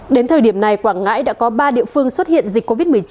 đến thời điểm này quảng ngãi đã có ba địa phương xuất hiện dịch covid một mươi chín